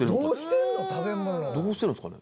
どうしてるんですかね？